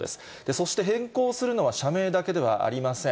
そして変更するのは、社名だけではありません。